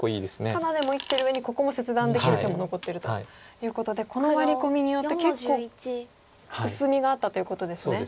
タダでも生きてるうえにここも切断できる手も残ってるということでこのワリコミによって結構薄みがあったということですね。